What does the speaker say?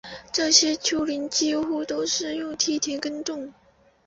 这些丘陵几乎都是用梯田耕种